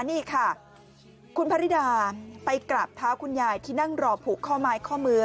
นี่ค่ะคุณพระริดาไปกราบเท้าคุณยายที่นั่งรอผูกข้อไม้ข้อมือ